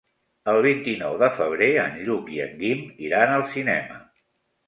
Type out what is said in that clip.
El vint-i-nou de febrer en Lluc i en Guim iran al cinema.